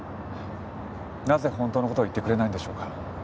なぜ本当の事を言ってくれないんでしょうか？